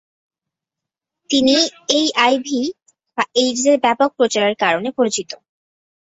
তিনি এইআইভি/এইডস এর ব্যাপক প্রচারের কারণে পরিচিত।